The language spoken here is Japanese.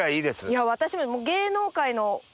いや私も。